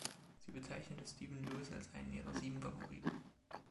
Sie bezeichnete Stephen Lewis als einen ihrer sieben Favoriten.